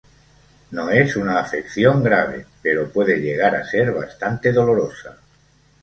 No es una afección grave, pero puede llegar a ser bastante dolorosa.